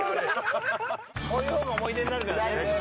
こういう方が思い出になるからね。